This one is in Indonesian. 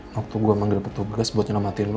waktu gue memang dapet tugas buat nyelamatin lo